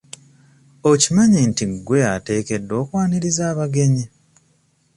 Okimanyi nti gwe ateekeddwa okwaniriza abagenyi?